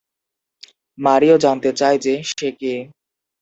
Mario জানতে চায় যে, সে কে।